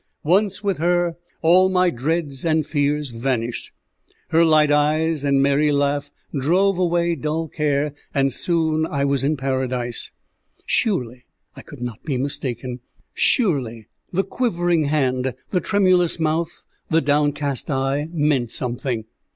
Once with her, all my dreads and fears vanished. Her light eyes and merry laugh drove away dull care, and soon I was in Paradise. Surely I could not be mistaken! Surely the quivering hand, the tremulous mouth, the downcast eye, meant something!